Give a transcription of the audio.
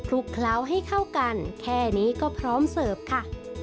ลุกเคล้าให้เข้ากันแค่นี้ก็พร้อมเสิร์ฟค่ะ